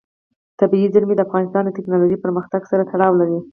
طبیعي زیرمې د افغانستان د تکنالوژۍ پرمختګ سره تړاو لري.